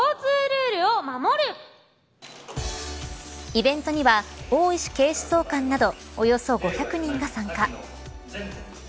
イベントには大石警視総監などおよそ５００人が参加。